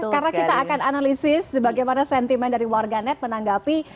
karena kita akan analisis bagaimana sentimen dari warganet menanggapi